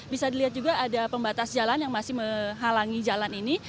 bisa dilihat juga ada pembatas jalan yang masih menghalangi jalan ini